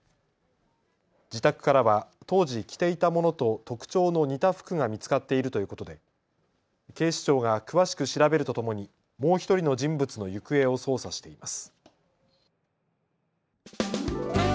自宅からは当時着ていたものと特徴の似た服が見つかっているということで警視庁が詳しく調べるとともにもう１人の人物の行方を捜査しています。